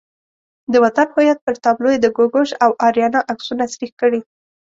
د وطن هویت پر تابلو یې د ګوګوش او آریانا عکسونه سریښ کړي.